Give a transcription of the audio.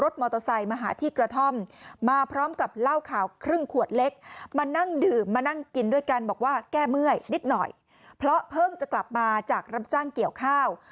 ดิดหน่อยเพราะเพิ่งจะกลับมาจากรับจ้างเกี่ยวข้าว